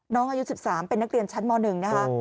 อายุ๑๓เป็นนักเรียนชั้นม๑นะคะ